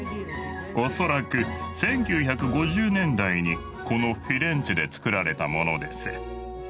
恐らく１９５０年代にこのフィレンツェで作られたものです。